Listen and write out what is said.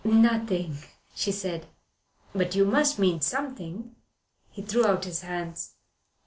"Nothing," she said. "But you must mean something." He threw out his hands.